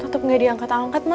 tetep gak diangkat angkat ma